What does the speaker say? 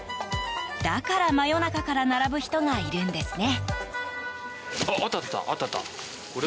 だから、真夜中から並ぶ人がいるんですね。